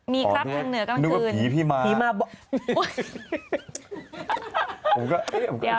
มีครับทางเหนือกลางคืน